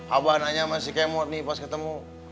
abah nanya sama si kemot nih pas ketemu